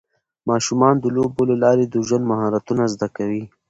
ماشومان د لوبو له لارې د ژوند مهارتونه زده کوي.